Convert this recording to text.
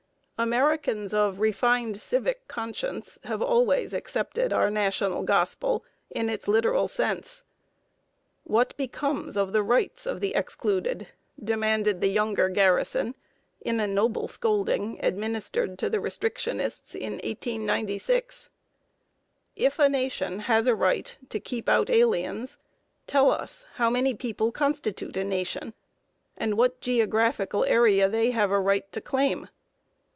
Americans of refined civic conscience have always accepted our national gospel in its literal sense. "What becomes of the rights of the excluded?" demanded the younger Garrison, in a noble scolding administered to the restrictionists in 1896. If a nation has a right to keep out aliens, tell us how many people constitute a nation, and what geographical area they have a right to claim.